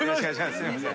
すみません。